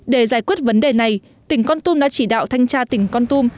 để giải quyết vấn đề này tỉnh con tum đã chỉ đạo thanh tra tỉnh con tum